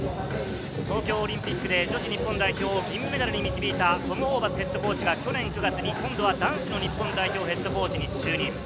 東京オリンピックで女子日本代表を銀メダルに導いたトム・ホーバスＨＣが去年９月に今度は男子の日本代表ＨＣに就任。